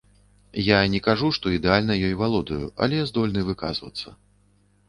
Я не кажу, што ідэальна ёй валодаю, але здольны выказвацца.